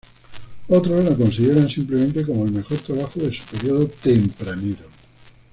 Otros la consideran simplemente como el mejor trabajo de su periodo tempranero.